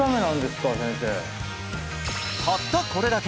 たったこれだけ！